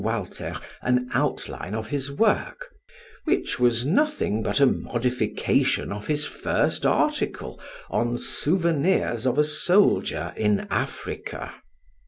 Walter an outline of his work, which was nothing but a modification of his first article on "Souvenirs of a Soldier in Africa."